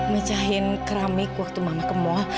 mecahin keramik waktu mama ke mall